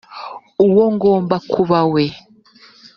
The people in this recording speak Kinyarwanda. uwo ngomba kuba we